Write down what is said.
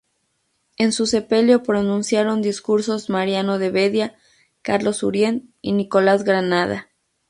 En su sepelio pronunciaron discursos Mariano de Vedia, Carlos Urien y Nicolás Granada.